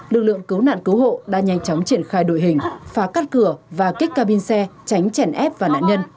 lực lượng cứu nạn cứu hộ đã nhanh chóng triển khai đội hình phá cắt cửa và kích ca bin xe tránh chèn ép và nạn nhân